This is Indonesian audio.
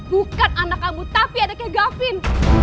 bukan anak kamu tapi ada kayak gavin